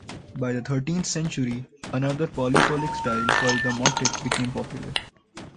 By the thirteenth century, another polyphonic style called the motet became popular.